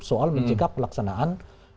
soal mencegah pelaksanaan